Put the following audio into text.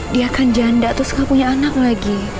dia kan janda terus gak punya anak lagi